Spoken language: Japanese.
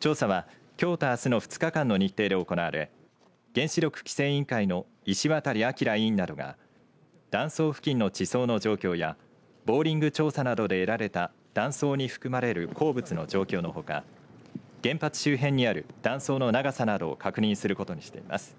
調査は、きょうとあすの２日間の日程で行われ原子力規制委員会の石渡明委員などが断層付近の地層の状況やボーリング調査などで得られた断層に含まれる鉱物の状況のほか原発周辺にある断層の長さなどを確認することにしています。